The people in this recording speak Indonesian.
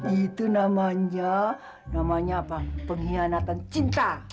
itu namanya namanya apa pengkhianatan cinta